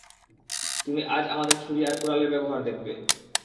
তুমি আজ আমাদের ছুরি আর কুড়ালের ব্যবহার দেখবে।